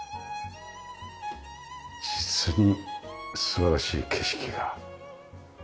実に素晴らしい景色が。